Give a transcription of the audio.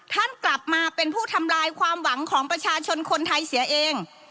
ท่านกลับมาเป็นผู้ทำลายความหวังของประชาชนคนไทยเสียเอง